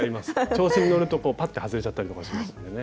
調子に乗るとパッて外れちゃったりとかしますんでね。